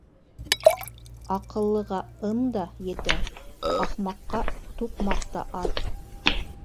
Аҡыллыға ым да етә, ахмаҡка туҡмаҡ та аҙ.